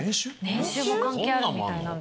年収も関係あるみたいなんです。